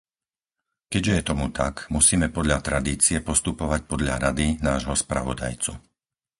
Keďže je tomu tak, musíme podľa tradície postupovať podľa rady nášho spravodajcu.